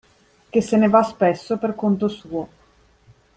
Che se ne va spesso per conto suo.